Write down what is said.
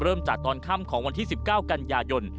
เริ่มจากตอนค่ำของวันที่๑๙กันยายน